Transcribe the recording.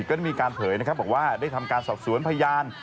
ก็ได้มีการเผยนะครับบอกว่าได้ทำการสอบสวนพยาน